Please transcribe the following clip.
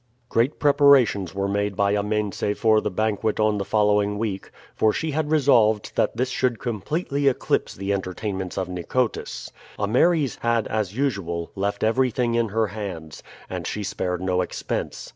Great preparations were made by Amense for the banquet on the following week, for she had resolved that this should completely eclipse the entertainments of Nicotis. Ameres had, as usual, left everything in her hands, and she spared no expense.